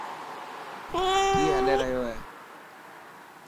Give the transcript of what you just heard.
ڪي هلي ريو هي.